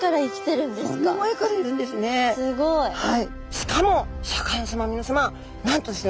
しかもシャーク香音さまみなさまなんとですね